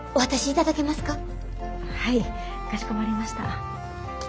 はいかしこまりました。